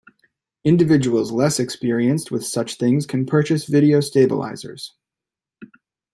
Individuals less experienced with such things can purchase video stabilizers.